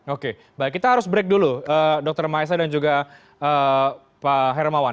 oke baik kita harus break dulu dr maesa dan juga pak hermawan